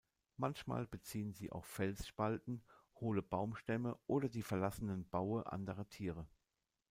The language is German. Manchmal beziehen sie auch Felsspalten, hohle Baumstämme oder die verlassenen Baue anderer Tiere.